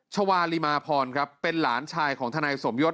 ชาวาลีมาพรครับเป็นหลานชายของทนายสมยศ